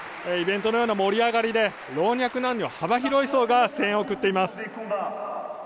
イベントのような盛り上がりで老若男女幅広い層が声援を送っています。